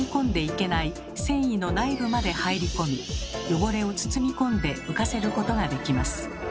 繊維の内部まで入り込み汚れを包み込んで浮かせることができます。